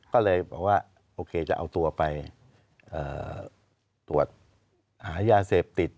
ก็เลยบอกว่าโอเคจะเอาตัวไปตรวจหายาเสพติด